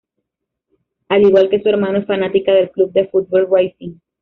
Al igual que su hermano, es fanática del club de fútbol Racing.